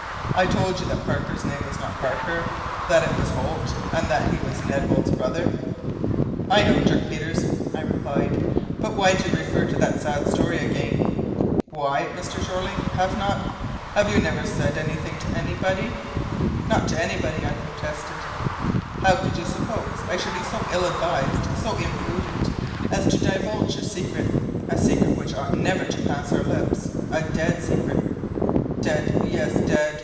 "I told you that Parker's name was not Parker, that it was Holt, and that he was Ned Holt's brother?" [Illustration: "I was afraid; I got away from him."] "I know, Dirk Peters," I replied, "but why do you refer to that sad story again?" "Why, Mr. Jeorling? Have not have you never said anything about it to anybody?" "Not to anybody," I protested. "How could you suppose I should be so ill advised, so imprudent, as to divulge your secret, a secret which ought never to pass our lips a dead secret?" "Dead, yes, dead!